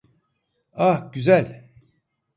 Ah, güzel.